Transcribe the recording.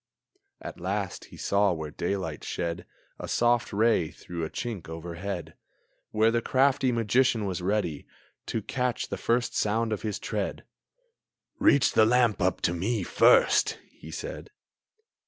At last he saw where daylight shed a Soft ray through a chink overhead, Where the crafty Magician was ready To catch the first sound of his tread. "Reach the lamp up to me, first!" he said.